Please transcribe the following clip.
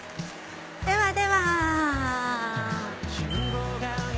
ではでは！